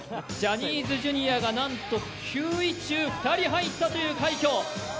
ジャニーズＪｒ．がなんと９位中２人入ったという快挙。